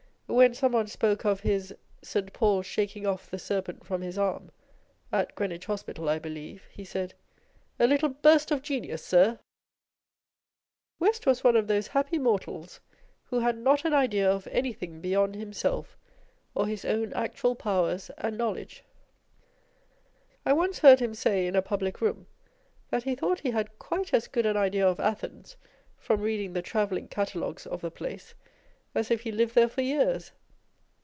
When some one spoke of his " St. Paul shaking off the serpent from his arm " (at Greenwich Hos pital, I believe), he said, " A little burst of genius, sir !" West was one of those happy mortals who had not an idea of anything beyond himself or his own actual powers and knowledge. I once heard him say in a public room, that he thought he had quite as good an idea of Athens from reading the Travelling Catalogues of the place, as if he lived there for years.